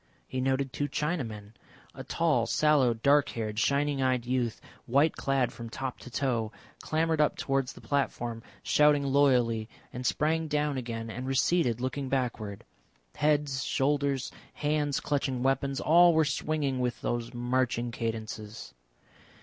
He noted two Chinamen. A tall, sallow, dark haired, shining eyed youth, white clad from top to toe, clambered up towards the platform shouting loyally, and sprang down again and receded, looking backward. Heads, shoulders, hands clutching weapons, all were swinging with those marching cadences.